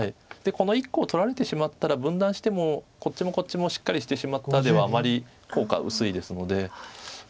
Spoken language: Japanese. この１個を取られてしまったら分断してもこっちもこっちもしっかりしてしまったではあまり効果薄いですので。